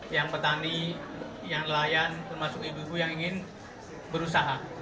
yang petani yang nelayan termasuk ibu ibu yang ingin berusaha